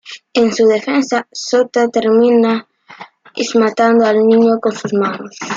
En su defensa, Sota termina matando al niño con sus manos.